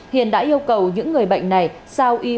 hiền đã yêu cầu những người bệnh này sao y